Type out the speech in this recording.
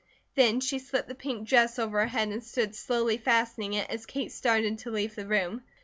Then she slipped the pink dress over her head and stood slowly fastening it as Kate started to leave the room.